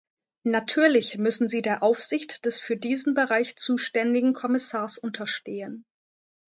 Natürlich müssen sie der Aufsicht des für diesen Bereich zuständigen Kommissars unterstehen.